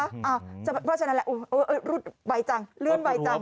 เพราะฉะนั้นแหละเออเออเออรุ่นไหวจังรื่นไหวจัง